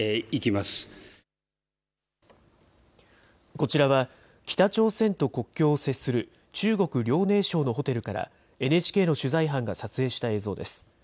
こちらは北朝鮮と国境を接する中国・遼寧省のホテルからＮＨＫの取材班が撮影した映像です。